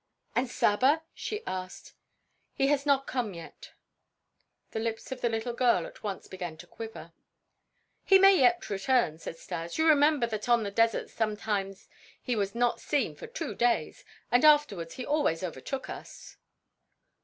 "And Saba?" she asked. "He has not come yet." The lips of the little girl at once began to quiver. "He may yet return," said Stas. "You remember that on the desert sometimes he was not seen for two days, and afterwards he always overtook us."